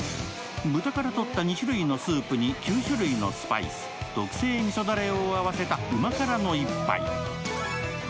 豚からとった２種類のスープに９種類のスパイス、特製みそだれを合わせた旨辛の１杯。